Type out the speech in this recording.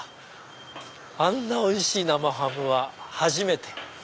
あんなおいしい生ハムは初めて。